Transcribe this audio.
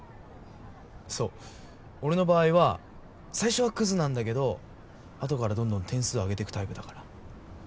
そう俺の場合は最初はクズなんだけど後からどんどん点数上げてくタイプだから。